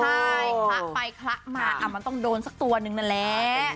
ใช่คละไปคละมามันต้องโดนสักตัวนึงนั่นแหละ